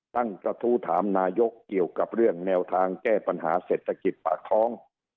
ตั้งกระทู้ถามนายกเกี่ยวกับเรื่องแนวทางแก้ปัญหาเศรษฐกิจปากท้อง